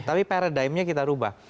tapi paradigmnya kita rubah